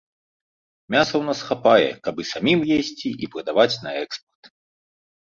Мяса ў нас хапае, каб і самім есці, і прадаваць на экспарт.